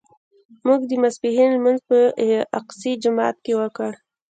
موږ د ماسپښین لمونځ په اقصی جومات کې وکړ.